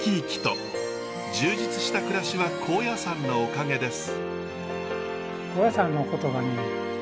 充実した暮らしは高野山のおかげです。